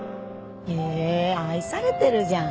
へえ愛されてるじゃん。